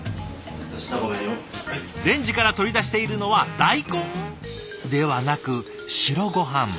レンジから取り出しているのは大根？ではなく白ごはん。